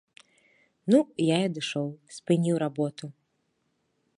Ну я і адышоў, спыніў работу.